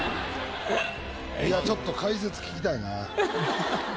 ちょっと解説聞きたいな。